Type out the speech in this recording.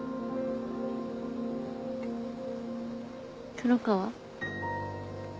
黒川？